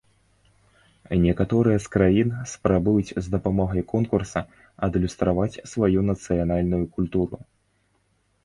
Некаторыя з краін спрабуюць з дапамогай конкурса адлюстраваць сваю нацыянальную культуру.